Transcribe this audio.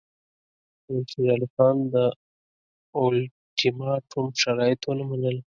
امیر شېر علي خان د اولټیماټوم شرایط ونه منل.